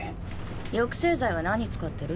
抑制剤は何使ってる？